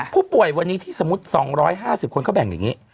ผู้ป่วยวันนี้ที่สมมุติ๒๕๐คนเขาแบ่งอย่างนี้